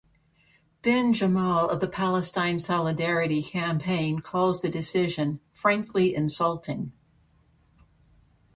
Ben Jamal of the Palestine Solidarity Campaign calls the decision "frankly insulting".